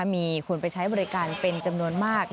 มีคนไปใช้บริการเป็นจำนวนมาก